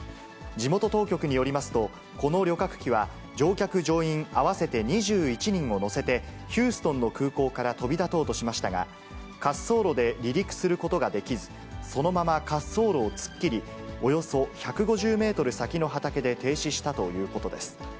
地元当局によりますと、この旅客機は、乗客・乗員合わせて２１人を乗せて、ヒューストンの空港から飛び立とうとしましたが、滑走路で離陸することができず、そのまま滑走路を突っ切り、およそ１５０メートル先の畑で停止したということです。